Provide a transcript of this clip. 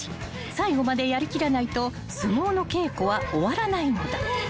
［最後までやり切らないと相撲の稽古は終わらないのだ］